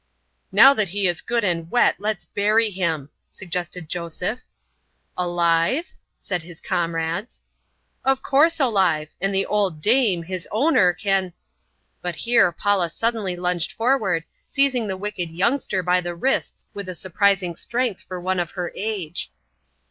"Now that he's good and wet, let's bury him," suggested Joseph. "Alive?" said his comrades. "Of course alive! And the old dame, his owner can " But here Paula suddenly lunged forward, seizing the wicked youngster by the wrists with a surprising strength for one of her age.